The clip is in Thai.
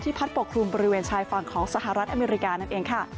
พัดปกครุมบริเวณชายฝั่งของสหรัฐอเมริกานั่นเองค่ะ